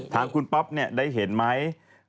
ทางคุณป๊อปได้เห็นไหม